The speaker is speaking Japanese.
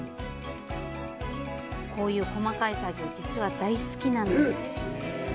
こういう細かい作業、実は大好きなんです。